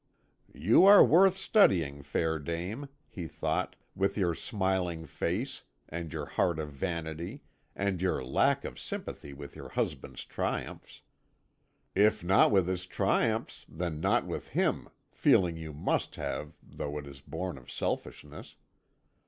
"You are worth studying, fair dame," he thought, "with your smiling face, and your heart of vanity, and your lack of sympathy with your husband's triumphs. If not with his triumphs, then not with him! Feeling you must have, though it is born of selfishness.